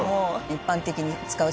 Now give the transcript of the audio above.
一般的に使う。